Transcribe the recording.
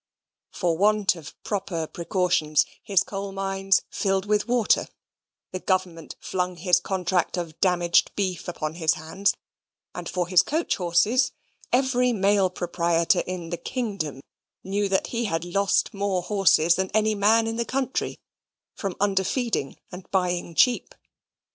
For want of proper precautions, his coal mines filled with water: the government flung his contract of damaged beef upon his hands: and for his coach horses, every mail proprietor in the kingdom knew that he lost more horses than any man in the country, from underfeeding and buying cheap.